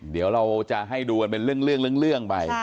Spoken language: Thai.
เดี๋ยวเราจะให้ดูกันเป็นเรื่องไป